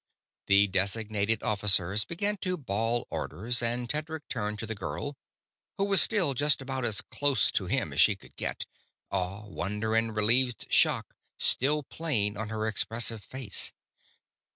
The designated officers began to bawl orders, and Tedric turned to the girl, who was still just about as close to him as she could get; awe, wonder, and relieved shock still plain on her expressive face.